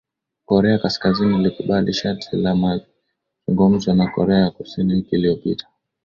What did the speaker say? korea kaskazini ilikubali shati la mazungumzo na korea ya kusini wiki iliyopita